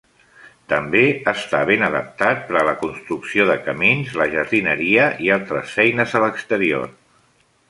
També està ben adaptat per a la construcció de camins, la jardineria i altres feines a l'exterior.